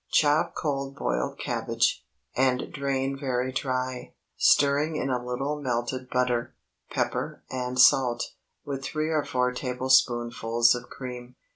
Chop cold boiled cabbage, and drain very dry, stirring in a little melted butter, pepper, and salt, with three or four tablespoonfuls of cream.